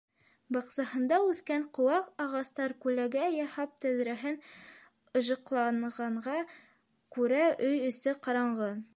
Баҡсаһында үҫкән ҡыуаҡ-ағастар күләгә яһап тәҙрәһен ышыҡлағанға күрә өй эсе ҡараңғы.